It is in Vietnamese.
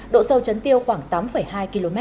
độ sâu chấn tiêu khoảng tám hai km